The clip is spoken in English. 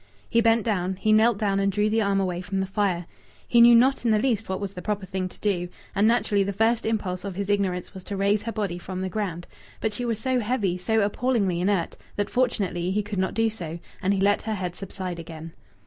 He bent down; he knelt down and drew the arm away from the fire. He knew not in the least what was the proper thing to do; and naturally the first impulse of his ignorance was to raise her body from the ground. But she was so heavy, so appallingly inert, that, fortunately, he could not do so, and he let her head subside again.